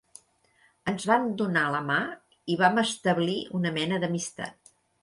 Ens vam donar la mà i vam establir una mena d'amistat.